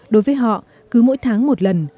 đối với họ cứ mỗi tháng một lần